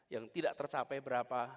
yang tidak tercapai berapa